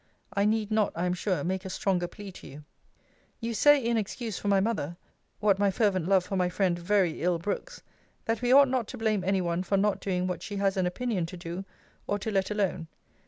I need not, I am sure, make a stronger plea to you. You say, in excuse for my mother, (what my fervent love for my friend very ill brooks,) that we ought not to blame any one for not doing what she has an opinion to do, or to let alone.